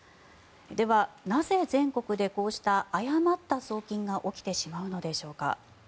では、なぜ全国でこうした誤った送金が起きてしまうのでしょうか。